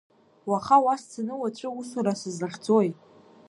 Уаха уа сцаны, уаҵәы, усура сызлахьӡои?